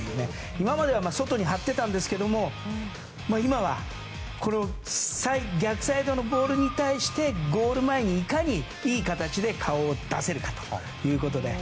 今までは外に張ってたんですけれども今はこれを逆サイドのボールに対してゴール前に、いかにいい形で顔を出せるかということで。